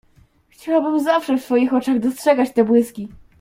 "Chciałabym zawsze w twoich oczach dostrzegać te błyski!"